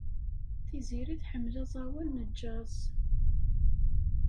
Tiziri tḥemmel aẓawan n jazz.